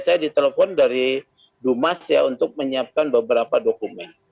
saya ditelepon dari dumas ya untuk menyiapkan beberapa dokumen